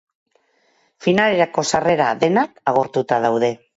Finalerako sarrera denak agortuta daude.